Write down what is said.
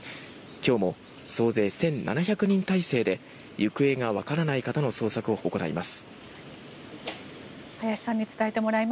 今日も総勢１７００人態勢で行方がわからない方の捜索を行います。